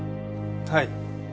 はい。